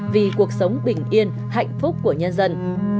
vì cuộc sống bình yên hạnh phúc của nhân dân